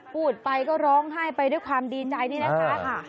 พูดไปก็ร้องไห้ไปด้วยความดีใจนี่นะคะ